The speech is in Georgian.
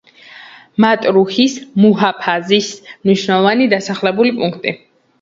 მატრუჰის მუჰაფაზის მნიშვნელოვანი დასახლებული პუნქტი.